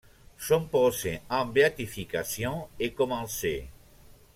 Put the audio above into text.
Son procès en béatification est commencé.